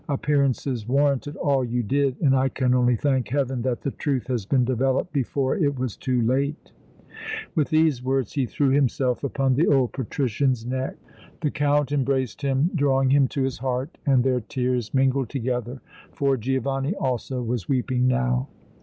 Appearances warranted all you did, and I can only thank Heaven that the truth has been developed before it was too late!" With these words he threw himself upon the old Patrician's neck. The Count embraced him, drawing him to his heart and their tears mingled together, for Giovanni also was weeping now.